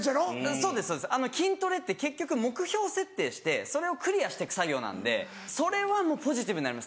そうです筋トレって結局目標設定してそれをクリアして行く作業なんでそれはもうポジティブになります。